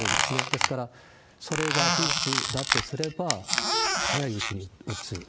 ですから、それが事実だとすれば、早いうちに撃つ。